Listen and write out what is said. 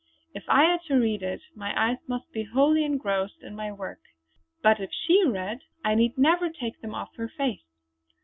If I had to read it, my eyes must be wholly engrossed in my work; but if she read, I need never take them off her face.